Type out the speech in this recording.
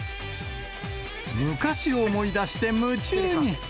昔を思い出して夢中に。